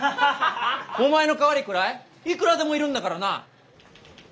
お前の代わりくらいいくらでもいるんだからな！